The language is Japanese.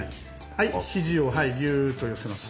はい肘をギューッと寄せます。